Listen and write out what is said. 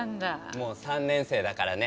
もう３年生だからね。